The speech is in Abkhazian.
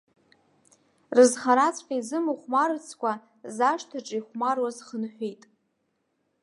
Рызхараҵәҟьа изымыхәмарыцкәа, зашҭаҿы ихәмаруаз хынҳәит.